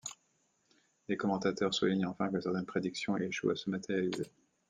Des commentateurs soulignent enfin que certaines prédictions échouent à se matérialiser.